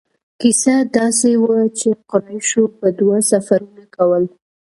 کیسه داسې وه چې قریشو به دوه سفرونه کول.